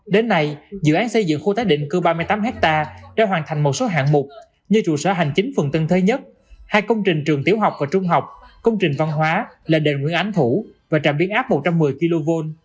đến nay dự án xây dựng khu tái định cư ba mươi tám ha đã hoàn thành một số hạng mục như trụ sở hành chính phường tân thới nhất hai công trình trường tiểu học và trung học công trình văn hóa là đền nguyễn ánh thủ và trạm biến áp một trăm một mươi kv